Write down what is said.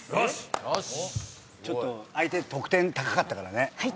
ちょっと相手得点高かったからね。